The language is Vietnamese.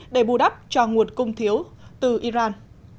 để bù đắp cho nguồn cung thiếu từ iran